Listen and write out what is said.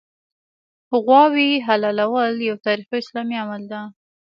غوايي حلالول یو تاریخي او اسلامي عمل دی